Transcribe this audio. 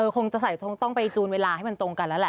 คงจะใส่คงต้องไปจูนเวลาให้มันตรงกันแล้วแหละ